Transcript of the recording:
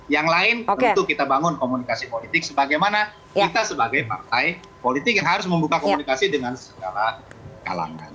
yang lain tentu kita bangun komunikasi politik sebagaimana kita sebagai partai politik yang harus membuka komunikasi dengan segala kalangan